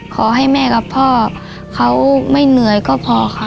ขอให้แม่กับพ่อเขาไม่เหนื่อยก็พอค่ะ